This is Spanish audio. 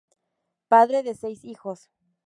Padre de seis hijos.